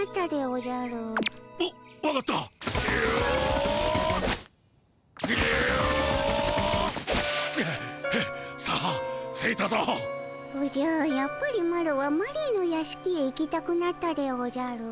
おじゃやっぱりマロはマリーの屋敷へ行きたくなったでおじゃる。